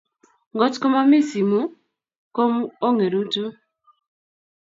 ngot ko mamito simu, ko ong'eritu